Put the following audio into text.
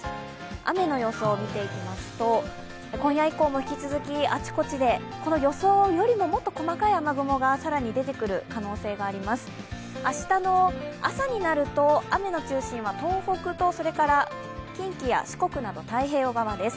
雨の予想を見ていきますと、今夜以降も引き続きあちこちでこの予想よりももっと細かい雨雲が出てくる可能性があります、明日の朝になると雨の中心は東北と近畿や四国など太平洋側です。